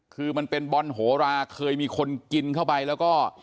คือมันเป็นบอลโหราเคยมีคนกินเข้าไปแล้วก็